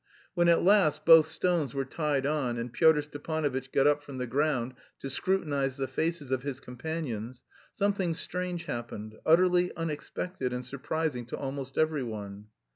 When at last both stones were tied on and Pyotr Stepanovitch got up from the ground to scrutinise the faces of his companions, something strange happened, utterly unexpected and surprising to almost every one.